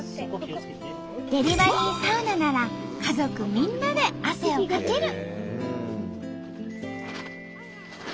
デリバリーサウナなら家族みんなで汗をかける。